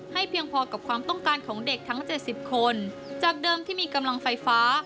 เพียงพอกับความต้องการของเด็กทั้ง๗๐คนจากเดิมที่มีกำลังไฟฟ้า